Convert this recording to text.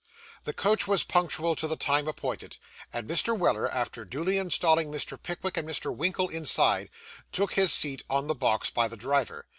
The coach was punctual to the time appointed; and Mr. Weller, after duly installing Mr. Pickwick and Mr. Winkle inside, took his seat on the box by the driver.